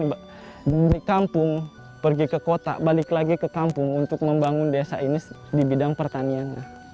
dari kampung pergi ke kota balik lagi ke kampung untuk membangun desa ini di bidang pertanian